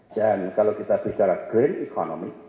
dan kalau kita bicara green economy